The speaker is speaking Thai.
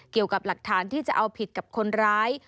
เกี่ยวกับหลักฐานที่จะเอาผิดกับคนร้าย